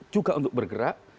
juga untuk bergerak